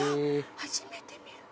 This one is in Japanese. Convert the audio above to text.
初めて見る。